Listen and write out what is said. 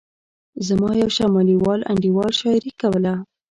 زما یو شمالي وال انډیوال شاعري کوله.